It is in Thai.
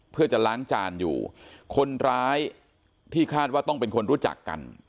เพื่อจะล้างจานอยู่คนร้ายที่คาดว่าต้องเป็นคนรู้จักกัน